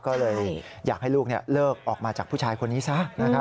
ก็เลยอยากให้ลูกเลิกออกมาจากผู้ชายคนนี้ซะนะครับ